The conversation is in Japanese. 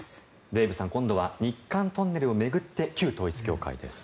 デーブさん今度は日韓トンネルを巡って旧統一教会です。